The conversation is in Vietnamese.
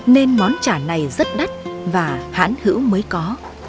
nên món chả này rất đắt và hãn hữu mới có